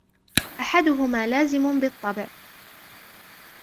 أَحَدُهُمَا لَازِمٌ بِالطَّبْعِ